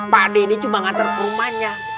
pak d ini cuma nganter ke rumahnya